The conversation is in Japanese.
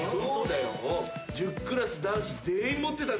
１０クラス男子全員持ってたんだから。